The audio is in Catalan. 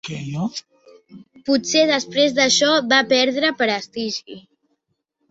Potser després d'això va perdre prestigi.